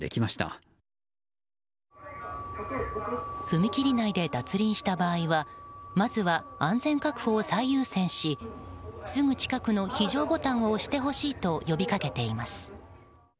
踏切内で脱輪した場合はまずは安全確保を最優先しすぐ近くの非常ボタンを押してほしいと呼びかけています。